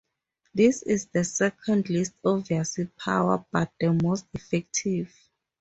This is the second least obvious power, but the most effective.